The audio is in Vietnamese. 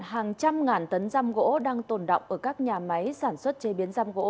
hàng trăm ngàn tấn răm gỗ đang tồn đọng ở các nhà máy sản xuất chế biến răm gỗ